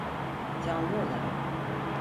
Canlı olarak.